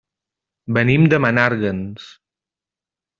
Venim de Menàrguens.